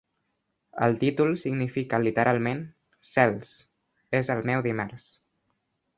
El títol significa literalment: Cels, és el meu dimarts!